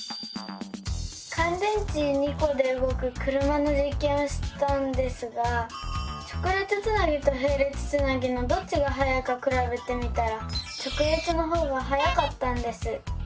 かん電池２コでうごく車のじっけんをしたんですが直列つなぎとへい列つなぎのどっちがはやいかくらべてみたら直列のほうがはやかったんです。